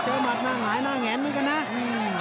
เจอหมดหน้างายหน้าแงนนี้กันนะ